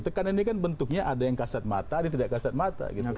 tekanan ini kan bentuknya ada yang kasat mata ada yang tidak kasat mata